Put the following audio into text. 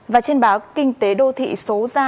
và trên báo kinh tế đô thị số ra